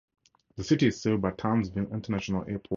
The city is served by Townsville International Airport.